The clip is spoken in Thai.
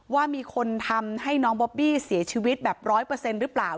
ว่ามีคนทำให้น้องบอบบี้เสียชีวิตแบบร้อยเปอร์เซ็นจ์หรือเปล่า